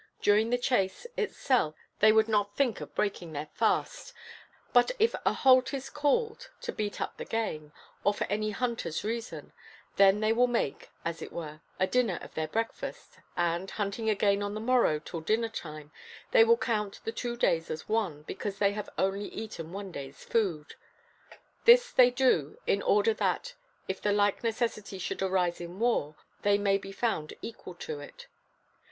During the chase itself they would not think of breaking their fast, but if a halt is called, to beat up the game, or for any hunter's reason, then they will make, as it were, a dinner of their breakfast, and, hunting again on the morrow till dinner time, they will count the two days as one, because they have only eaten one day's food. This they do in order that, if the like necessity should arise in war, they may be found equal to it.